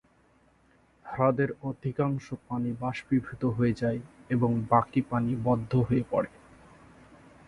হ্রদের অধিকাংশ পানি বাষ্পীভূত হয়ে যায় এবং বাকি পানি বদ্ধ হয়ে পড়ে।